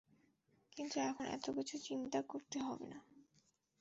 কিন্তু এখন এতকিছু চিন্তা করতে হবে না।